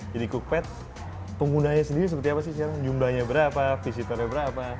jadi cookpad penggunanya sendiri seperti apa sih sekarang jumlahnya berapa visitornya berapa